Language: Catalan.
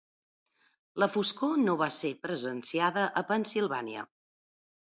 La foscor no va ser presenciada a Pennsilvània.